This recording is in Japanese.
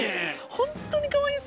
ホントにかわいい。